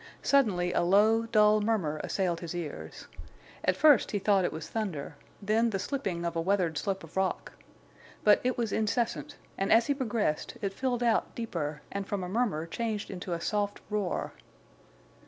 Suddenly a low, dull murmur assailed his ears. At first he thought it was thunder, then the slipping of a weathered slope of rock. But it was incessant, and as he progressed it filled out deeper and from a murmur changed into a soft roar.